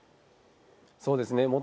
そうですね。